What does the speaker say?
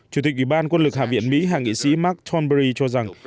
chủ tịch ủy ban quân lực hạ viện mỹ hạ nghị sĩ mark tomberry cho rằng